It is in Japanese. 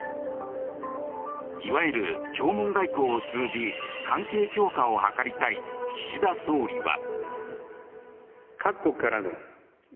いわゆる弔問外交を通じ関係強化を図りたい岸田総理は。